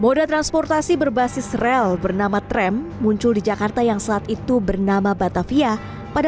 moda transportasi berbasis rel bernama tram muncul di jakarta yang saat itu bernama batavia pada